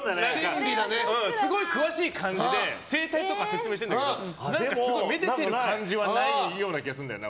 すごい詳しい感じで生体とか説明してるんだけどめでてる感じはないような気がするんだよな。